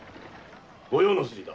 御用の筋だ。